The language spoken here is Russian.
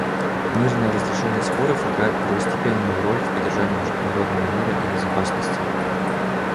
Мирное разрешение споров играет первостепенную роль в поддержании международного мира и безопасности.